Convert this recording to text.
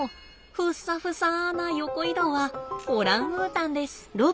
ふっさふさな横移動はオランウータンです。